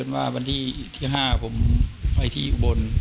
วันที่ที่ห้าผมไปที่อุบล